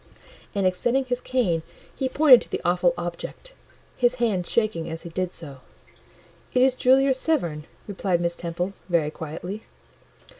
And extending his cane he pointed to the awful object, his hand shaking as he did so. "It is Julia Severn," replied Miss Temple, very quietly.